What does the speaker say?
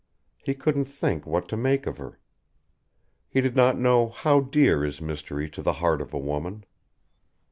He couldn't think what to make of her. He did not know how dear is mystery to the heart of a woman.